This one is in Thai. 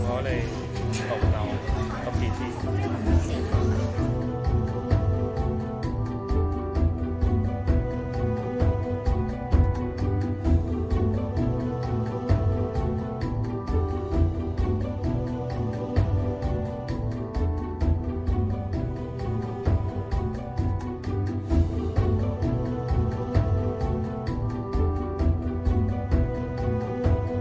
ก็สีแต่ว่าไทยเสียงเผื่อ